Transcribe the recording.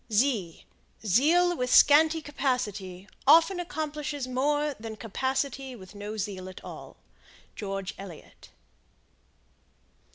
Zeal with scanty capacity often accomplishes more than capacity with no zeal at all. George Eliot.